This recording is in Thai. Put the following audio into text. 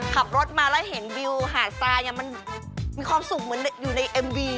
ขับรถมาแล้วเห็นวิวหาดทรายเนี่ยมันมีความสุขเหมือนอยู่ในเอ็มวี